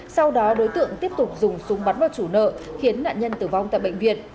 sau đó đối tượng tiếp tục dùng súng bắn vào chủ nợ khiến nạn nhân tử vong tại bệnh viện